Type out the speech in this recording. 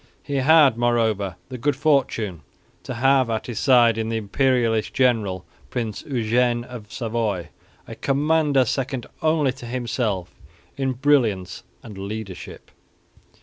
He had, moreover, the good fortune to have at his side in the Imperialist general, Prince Eugene of Savoy, a commander second only to himself in brilliance and leadership.